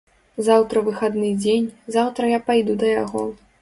Заўтра выхадны дзень, заўтра я пайду да яго.